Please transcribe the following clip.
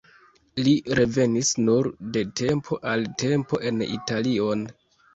Li revenis nur de tempo al tempo en Italion.